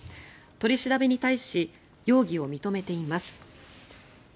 取り調べに対し容疑を認めています。